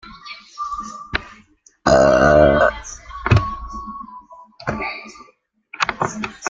Combina la música folclórica con la música clásica turca.